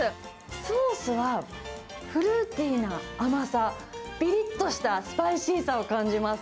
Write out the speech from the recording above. ソースはフルーティーな甘さ、ぴりっとしたスパイシーさを感じます。